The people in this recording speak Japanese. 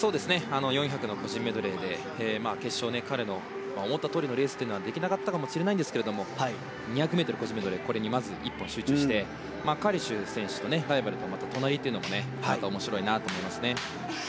４００ｍの個人メドレーで決勝、彼の思ったとおりのレースはできなかったかもしれないですけど２００ｍ個人メドレーに１本集中してカリシュ選手ライバルと隣なのはまた面白いなと思いますね。